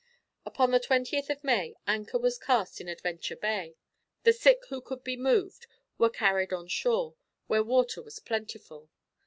Upon the 20th of May anchor was cast in Adventure Bay. The sick who could be moved were carried on shore, where water was plentiful.